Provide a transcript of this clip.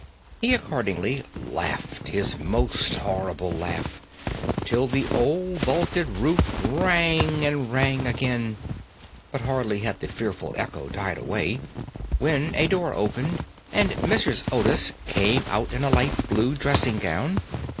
He accordingly laughed his most horrible laugh, till the old vaulted roof rang and rang again, but hardly had the fearful echo died away when a door opened, and Mrs. Otis came out in a light blue dressing gown.